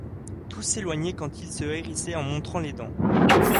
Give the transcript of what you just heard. Tous s’éloignaient quand il se hérissait en montrant les dents.